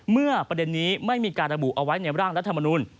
เมื่อประเด็นนี้ไม่มีการระบุเอาไว้ในร่างรัฐมนุน